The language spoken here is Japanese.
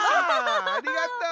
ありがとう。